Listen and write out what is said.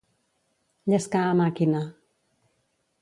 Llescar a màquina.